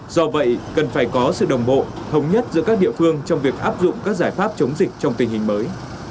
do vậy cần phải có sự đồng bộ thống nhất giữa các địa phương trong việc áp dụng các giải pháp chống dịch trong tình hình mới